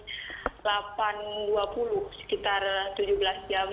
sekitar tujuh belas jam